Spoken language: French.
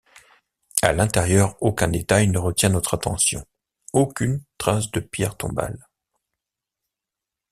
À l’intérieur aucun détail ne retient notre attention, aucune trace de pierre tombale.